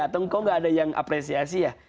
kok gak ada yang apresiasi ya